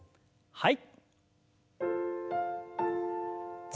はい。